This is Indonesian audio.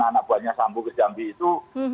anak buahnya sambu kejambi itu